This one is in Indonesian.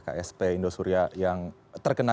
ksp indosuria yang terkena